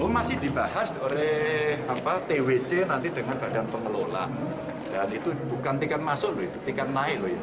masih dibahas oleh twc nanti dengan badan pengelola dan itu bukan tiket masuk loh itu tiket naik